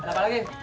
eh ada apa lagi